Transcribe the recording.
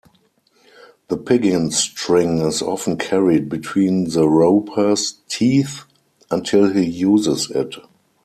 The piggin' string is often carried between the roper's teeth until he uses it.